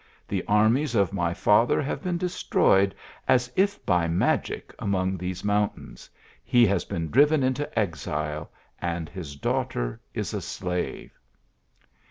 The armies of my father have been destroyed as if by magic among these mountains, he has been driven into exile, and his daughter is a slave."